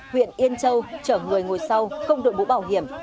huyện yên châu chở người ngồi sau không đội bũ bảo hiểm